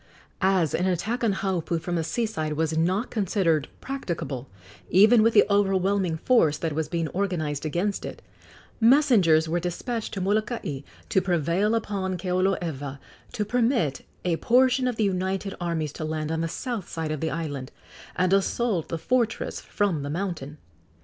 As an attack on Haupu from the sea side was not considered practicable, even with the overwhelming force that was being organized against it, messengers were despatched to Molokai to prevail upon Keoloewa to permit a portion of the united armies to land on the south side of the island and assault the fortress from the mountain.